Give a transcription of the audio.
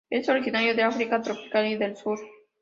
Es originario de África tropical y del sur.